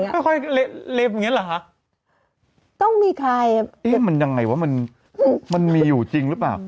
ค่อยเล็บอย่างเงี้เหรอคะต้องมีใครเอ๊ะมันยังไงวะมันมันมีอยู่จริงหรือเปล่า